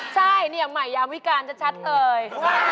ใช่ใหม่ยามวิกาจะชัดเลย